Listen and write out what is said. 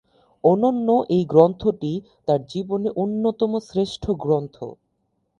অনন্য এই গ্রন্থ’টি তার জীবনে অন্যতম শ্রেষ্ঠ গ্রন্থ।